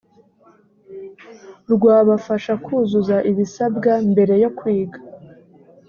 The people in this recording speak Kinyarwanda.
rw abafasha kuzuza ibisabwa mbere yo kwiga